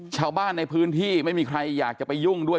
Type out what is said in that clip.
ชาวบ้านในพื้นที่ไม่มีใครอยากจะไปยุ่งด้วย